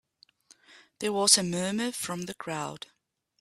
There was a murmur from the crowd.